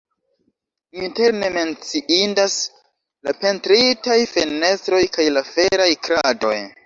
Interne menciindas la pentritaj fenestroj kaj la feraj kradoj.